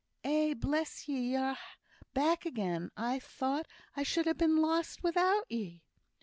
"Eh, bless ye! are ye back again? I thought I should ha' been lost without ye."